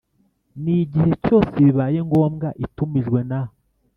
n igihe cyose bibaye ngombwa itumijwe na